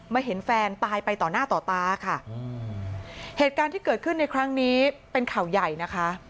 เห็นแฟนตายไปต่อหน้าต่อตาค่ะอืมเหตุการณ์ที่เกิดขึ้นในครั้งนี้เป็นข่าวใหญ่นะคะ